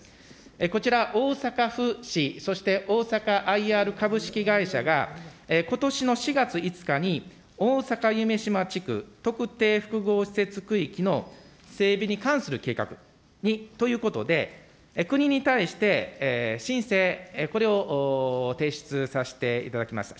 こちら、大阪府市そして大阪ＩＲ株式会社が、ことしの４月５日に大阪夢洲地区特定複合施設区域の整備に関する計画ということで、国に対して申請、これを提出させていただきました。